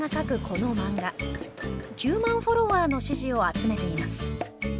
この漫画９万フォロワーの支持を集めています。